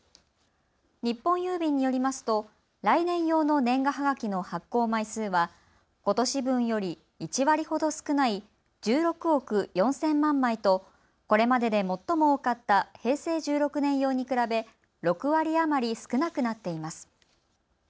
日本郵便によりますと来年用の年賀はがきの発行枚数はことし分より１割ほど少ない１６億４０００万枚とこれまでで最も多かった平成１６年用に比べ６割余り少なくなっています。